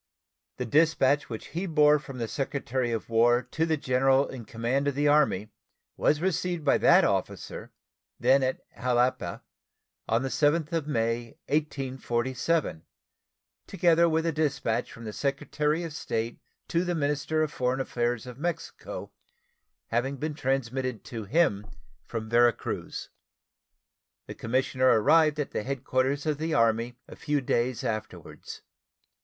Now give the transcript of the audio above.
The dispatch which he bore from the Secretary of War to the general in command of the Army was received by that officer, then at Jalapa, on the 7th of May, 1847, together with the dispatch from the Secretary of State to the minister of foreign affairs of Mexico, having been transmitted to him from Vera Cruz. The commissioner arrived at the headquarters of the Army a few days afterwards.